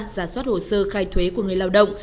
giả soát hồ sơ khai thuế của người lao động